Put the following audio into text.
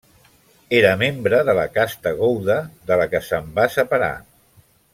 Era membre de la casta gouda, de la que se'n va separar.